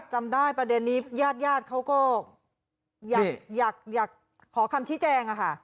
จำได้ประเด็นนี้ญาติเขาก็อยากขอคำที่แจ้งค่ะ